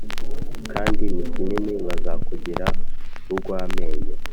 kandi ni kinini Bazakugira urw amenyo